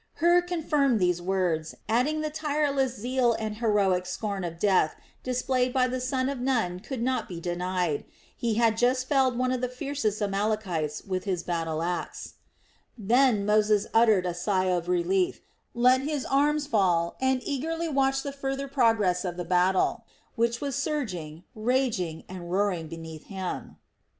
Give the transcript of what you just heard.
Hur confirmed these words, adding that the tireless zeal and heroic scorn of death displayed by the son of Nun could not be denied. He had just felled one of the fiercest Amalekites with his battle axe. Then Moses uttered a sigh of relief, let his arms fall, and eagerly watched the farther progress of the battle, which was surging, raging and roaring beneath him.